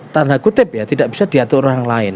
tanda kutip ya tidak bisa diatur orang lain